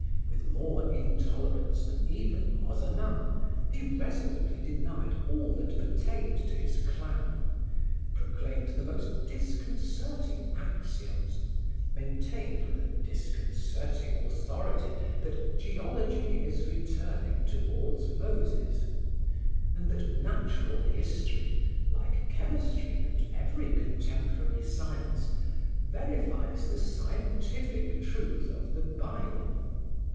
With more intolerance than even Ozanam, he resolutely denied all that pertained to his clan, proclaimed the most disconcerting axioms, maintained with a disconcerting authority that "geology is returning toward Moses," and that natural history, like chemistry and every contemporary science, verifies the scientific truth of the Bible.